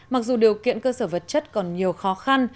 mặc dù điều kiện cơ sở vật chất còn nhiều khó khăn